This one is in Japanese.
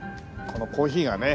このコーヒーがね。